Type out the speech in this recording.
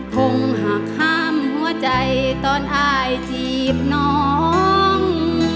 คงหากห้ามหัวใจตอนอายจีบน้อง